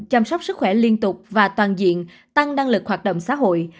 chăm sóc sức khỏe liên tục và toàn diện tăng năng lực hoạt động xã hội